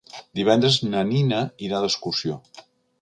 Divendres na Nina irà d'excursió.